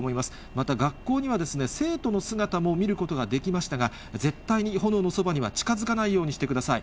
また学校には、生徒の姿も見ることができましたが、絶対に炎のそばには近づかないようにしてください。